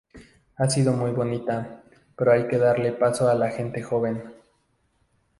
Ha sido muy bonita, pero hay que darle paso a la gente joven.